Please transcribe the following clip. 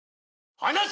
離せ！